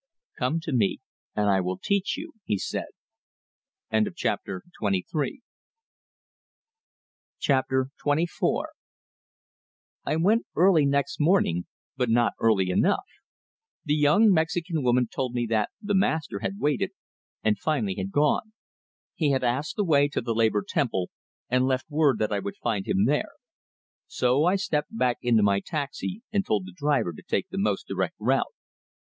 "Come to me, and I will teach you," he said. XXIV I went early next morning, but not early enough. The Mexican woman told me that "the master" had waited, and finally had gone. He had asked the way to the Labor Temple, and left word that I would find him there. So I stepped back into my taxi, and told the driver to take the most direct route.